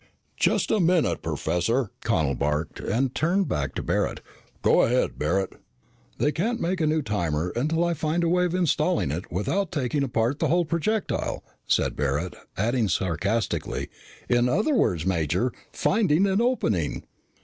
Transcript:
"Just a minute, Professor!" Connel barked, and turned back to Barret. "Go ahead, Barret." "They can't make a new timer until I find a way of installing it without taking apart the whole projectile," said Barret, adding sarcastically, "in other words, Major finding an opening."